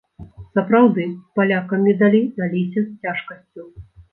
Сапраўды, палякам медалі даліся з цяжкасцю.